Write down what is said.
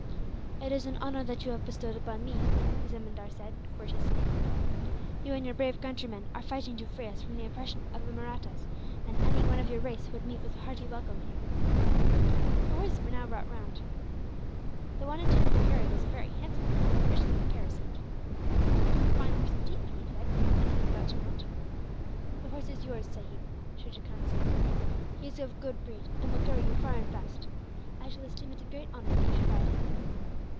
"It is an honour that you have bestowed upon me," the zemindar said, courteously. "You and your brave countrymen are fighting to free us from the oppression of the Mahrattas, and any one of your race would meet with a hearty welcome here." The horses were now brought round. The one intended for Harry was a very handsome animal, richly caparisoned. "It is a fine horse, indeed," he said, as he was about to mount. "The horse is yours, sahib," Shuja Khan said. "He is of good breed, and will carry you far and fast. I shall esteem it a great honour that you should ride him.